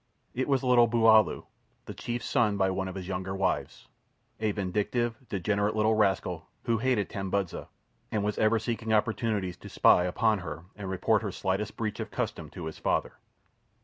It was little Buulaoo, the chief's son by one of his younger wives—a vindictive, degenerate little rascal who hated Tambudza, and was ever seeking opportunities to spy upon her and report her slightest breach of custom to his father.